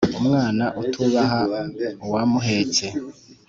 Umwana utubaha uwamuhetse